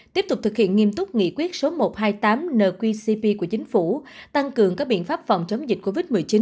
tiếp tục thực hiện nghiêm túc nghị quyết số một trăm hai mươi tám nqcp của chính phủ tăng cường các biện pháp phòng chống dịch covid một mươi chín